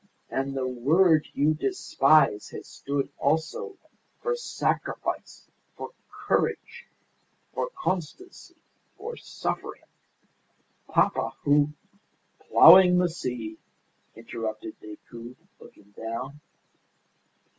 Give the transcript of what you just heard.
And the word you despise has stood also for sacrifice, for courage, for constancy, for suffering. Papa, who " "Ploughing the sea," interrupted Decoud, looking down.